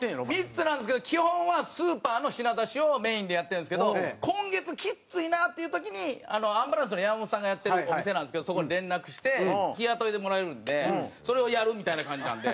３つなんですけど基本はスーパーの品出しをメインでやってるんですけど今月きついなっていう時にアンバランスの山本さんがやってるお店なんですけどそこに連絡して日雇いでもらえるんでそれをやるみたいな感じなんで。